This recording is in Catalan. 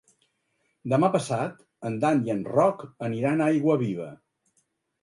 Demà passat en Dan i en Roc aniran a Aiguaviva.